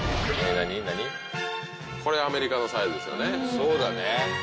そうだね。